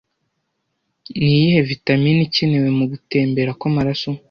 Ni iyihe vitamine ikenewe mu gutembera kw'amaraso